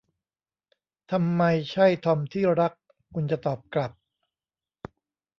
'ทำไมใช่ทอมที่รัก' คุณจะตอบกลับ